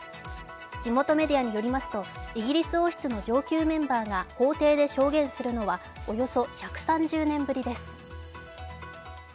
地元メディアによると上級メンバーが法廷で証言するのはおよそ１３０年ぶりです。